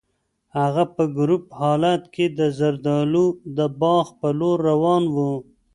هغه په کړوپ حالت کې د زردالو د باغ په لور روان و.